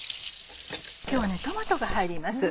今日はトマトが入ります。